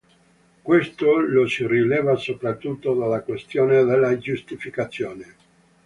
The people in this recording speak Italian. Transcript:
Questo lo si rileva soprattutto nella questione della giustificazione.